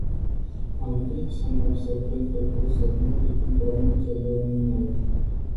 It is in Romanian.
Ambii, sunt absolvenți de cursuri medii din promoția două mii nouă.